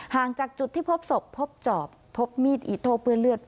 ห่างจากจุดที่พบศพพบจอบพบมีดอีโทเปื้อนเลือด